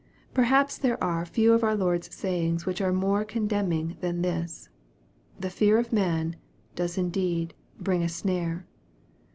Perhaps there are few of our Lord's sayings which are more condemning than this. " The fear of man" does indeed "bring a snare."